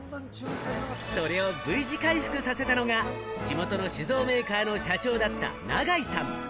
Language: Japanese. それをＶ字回復させたのが地元の酒造メーカーの社長だった永井さん。